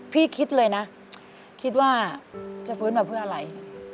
คิดเลยนะคิดว่าจะฟื้นมาเพื่ออะไร